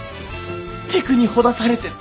テクにほだされてって。